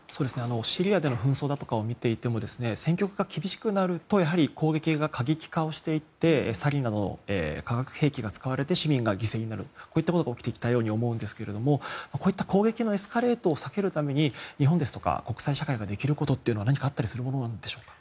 シリアでの紛争だとかを見ていても戦局が厳しくなると攻撃が過激化していってサリンなどの化学兵器が使われ市民が犠牲になるということが起きてきたと思いますがこういった攻撃のエスカレートを避けるために日本、国際社会ができることは何かあったりするものなのでしょうか。